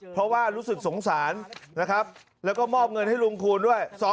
เพราะว่ารู้สึกสงสารนะครับแล้วก็มอบเงินให้ลุงคูณด้วย